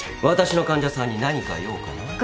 私の患者さんに何か用かな？